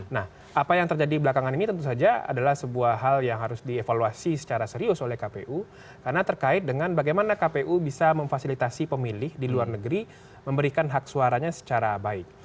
nah apa yang terjadi belakangan ini tentu saja adalah sebuah hal yang harus dievaluasi secara serius oleh kpu karena terkait dengan bagaimana kpu bisa memfasilitasi pemilih di luar negeri memberikan hak suaranya secara baik